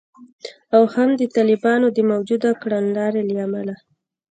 او هم د طالبانو د موجوده کړنلارې له امله